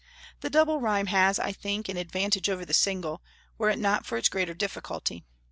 The double rhyme has, I think, an advantage over the single, were it not for its greater difficulty.